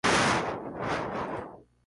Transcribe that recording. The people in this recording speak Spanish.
Cada equipo está compuesto por seis jugadores.